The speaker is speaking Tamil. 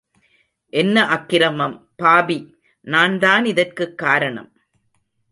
என்ன அக்ரமம் பாபி நான்தான் இதற்குக் காரணம்.